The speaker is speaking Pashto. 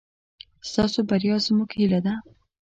ستاسو بريا زموږ هيله ده.